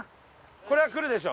れはくるでしょ！